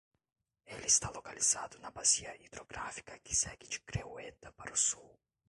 Ele está localizado na bacia hidrográfica que segue de Creueta para o sul.